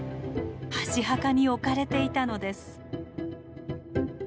箸墓に置かれていたのです。